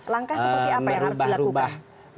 langkah seperti apa yang harus dilakukan